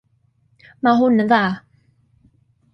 Mae hwn yn dda.